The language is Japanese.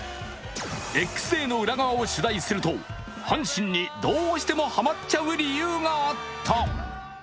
Ｘデーの裏側を取材すると阪神にどうしてもハマっちゃう理由があった。